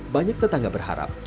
banyak tetangga berharap